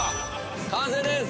完成です。